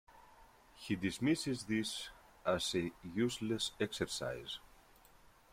He dismisses this as "a useless exercise".